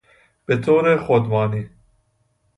به طورخودمانی